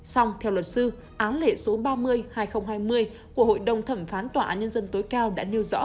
xong theo luật sư án lệ số ba mươi hai nghìn hai mươi của hội đồng thẩm phán tòa án nhân dân tối cao đã nêu rõ